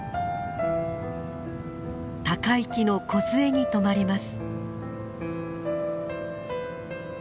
高い木のこずえにとまります。